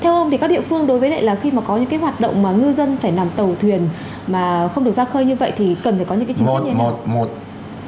theo ông thì các địa phương đối với lại là khi mà có những hoạt động mà ngư dân phải làm tàu thuyền mà không được ra khơi như vậy thì cần phải có những chính sách như thế nào